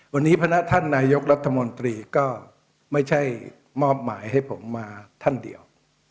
วันนี้พนักท่านนายกรัฐมนตรีก็ไม่ใช่มอบหมายให้ผมมาท่านเดียว